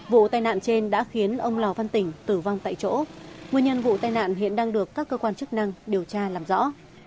vụ tai nạn trên đã khiến ông lò văn tỉnh tử vong tại chỗ nguyên nhân vụ tai nạn hiện đang được các cơ quan chức năng điều tra làm rõ